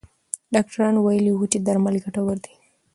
ډاکټران ویلي وو چې درمل ګټور دي.